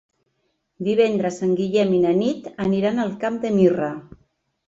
Divendres en Guillem i na Nit aniran al Camp de Mirra.